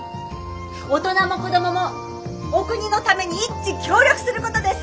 大人も子どももお国のために一致協力する事です！